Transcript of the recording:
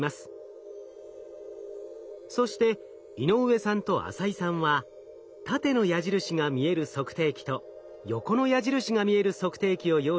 そして井上さんと浅井さんは縦の矢印が見える測定器と横の矢印が見える測定器を用意します。